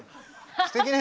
すてきね。